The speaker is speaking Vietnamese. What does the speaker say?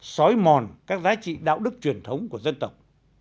sói mòn các giá trị đạo đức truyền thống của dân tộc